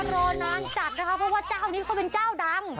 รอนานจัดนะคะเพราะว่าเจ้านี้เขาเป็นเจ้าดัง